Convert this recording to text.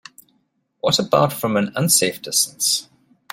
What about from an unsafe distance?